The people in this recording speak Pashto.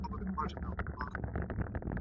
وږمکۍ